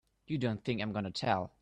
You don't think I'm gonna tell!